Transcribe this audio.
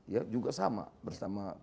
ya juga sama bersama